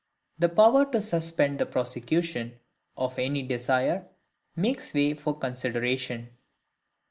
The Power to suspend the Prosecution of any Desire makes way for consideration.